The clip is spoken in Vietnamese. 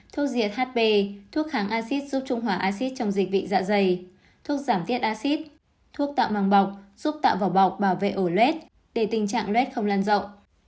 thuốc diệt hp thuốc kháng acid giúp trung hòa acid trong dịch vị dạ dày thuốc giảm tiết acid thuốc tạo màng bọc giúp tạo vỏ bọc bảo vệ ổ lết để tình trạng lết không lan rộng